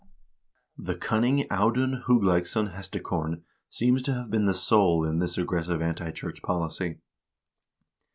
The cunning Audun Hug leiksson Hestakorn seems to have been the soul in this aggressive anti church policy.